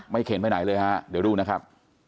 เข็นไปไหนเลยฮะเดี๋ยวดูนะครับ